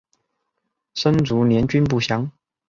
生卒年均不详。